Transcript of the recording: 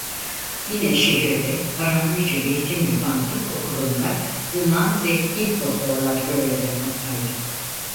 Yine şehirde Aramice eğitim yapan tıp okulunda Yunan ve Hint doktorlar görev yapmaktaydı.